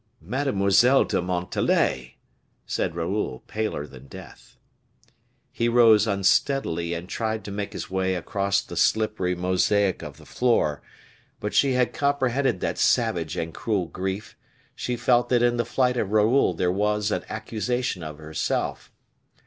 "Mademoiselle de Montalais!" said Raoul, paler than death. He rose unsteadily, and tried to make his way across the slippery mosaic of the floor; but she had comprehended that savage and cruel grief; she felt that in the flight of Raoul there was an accusation of herself.